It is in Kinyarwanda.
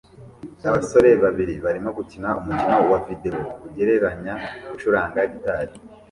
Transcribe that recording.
Abasore babiri barimo gukina umukino wa videwo ugereranya gucuranga gitari